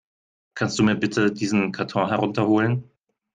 Kannst du mir bitte diesen Karton herunter holen?